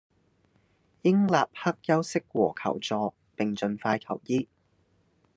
應立刻休息和求助，並盡快求醫